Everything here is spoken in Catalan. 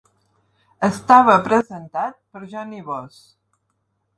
Estava presentat per Jonny Voss.